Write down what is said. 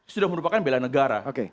sudah merupakan bela negara